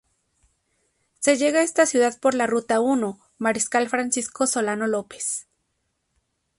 Se llega a esta ciudad por la ruta I Mariscal Francisco Solano López.